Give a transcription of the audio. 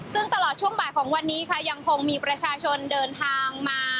ซึ่งตลอดช่วงบ่ายของวันนี้ค่ะยังคงมีประชาชนเดินทางมา